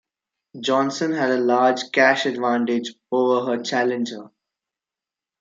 Johnson had a large cash advantage over her challenger.